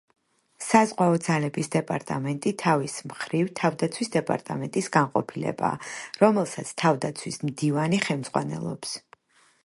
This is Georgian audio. საზღვაო ძალების დეპარტამენტი, თავის მხრივ, თავდაცვის დეპარტამენტის განყოფილებაა, რომელსაც თავდაცვის მდივანი ხელმძღვანელობს.